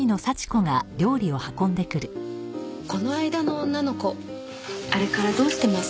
この間の女の子あれからどうしてます？